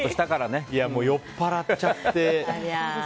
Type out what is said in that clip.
酔っ払っちゃって。